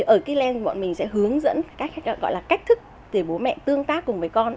ở keyland bọn mình sẽ hướng dẫn cách thức để bố mẹ tương tác cùng với con